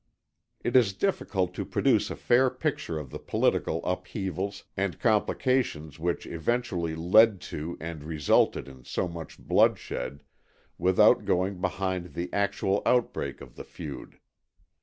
It is difficult to produce a fair picture of the political upheavals and complications which eventually led to and resulted in so much bloodshed without going behind the actual outbreak of the feud.